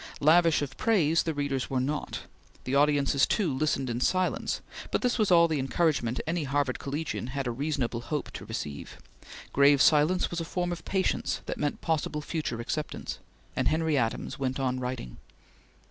Lavish of praise the readers were not; the audiences, too, listened in silence; but this was all the encouragement any Harvard collegian had a reasonable hope to receive; grave silence was a form of patience that meant possible future acceptance; and Henry Adams went on writing.